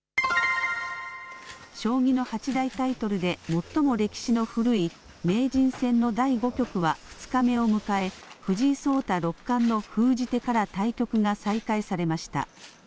将棋の八大タイトルで最も歴史の古い名人戦の第５局は２日目を迎え、藤井聡太六冠の封じ手から対局が再開されました。